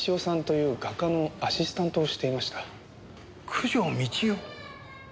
九条美千代？